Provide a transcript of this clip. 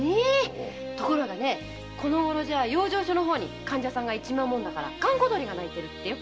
でもこのごろは養生所の方に患者が行っちまうもんだから閑古鳥が鳴いてるってよ。